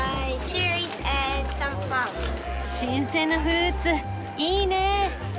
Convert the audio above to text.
新鮮なフルーツいいね。